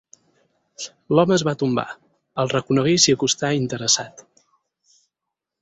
L'home es va tombar, els reconegué i s'hi acostà, interessat.